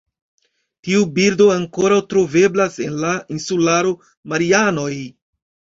Tiu birdo ankoraŭ troveblas en la insularo Marianoj.